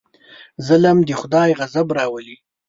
ظلم د خدای غضب راولي.